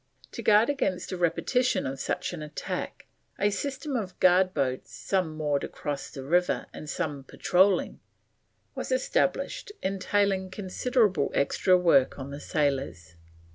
To guard against a repetition of such an attack, a system of guard boats, some moored across the river and some patrolling, was established, entailing considerable extra work on the sailors.